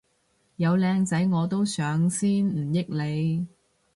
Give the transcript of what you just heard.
有靚仔都我上先唔益你